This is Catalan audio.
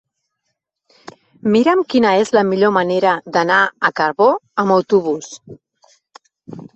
Mira'm quina és la millor manera d'anar a Cabó amb autobús.